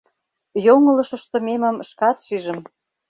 Йоҥылыш ыштымемым шкат шижым.